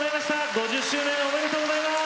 ５０周年おめでとうございます。